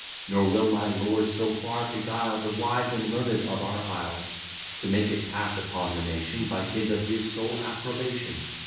Nor will my lord so far beguile The wise and learned of our isle; To make it pass upon the nation, By dint of his sole approbation.